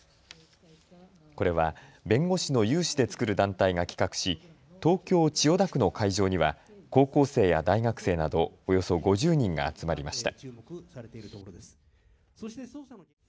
これは弁護士の有志で作る団体が企画し東京千代田区の会場には高校生や大学生などおよそ５０人が集まりました。